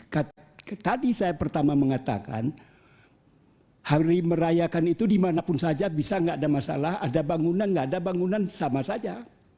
jadi tadi saya pertama mengatakan hari merayakan itu dimanapun saja bisa tidak ada masalah ada bangunan tidak ada bangunan sama saja